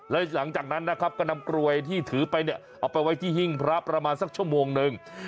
แล้วหลังจากนั้นนะครับก็นำกลวยที่ถือไปเนี่ยเอาไปไว้ที่หิ้งพระประมาณสักชั่วโมงหนึ่ง